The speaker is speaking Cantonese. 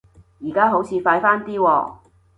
而家好似快返啲喎